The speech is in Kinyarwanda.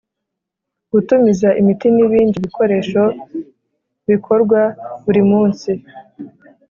Gutumiza imiti n ‘ibindi bikoresho bikorwa buri munsi.